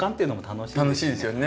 楽しいですよね。